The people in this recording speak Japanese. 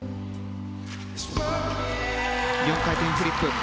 ４回転フリップ。